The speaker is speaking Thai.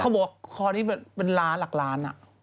เขาบอกว่าคอนี้เป็นร้านหลักร้านอะ